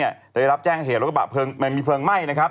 ้อมารับแจ้งเหตุและรถกระปะมีเฟลงไหม้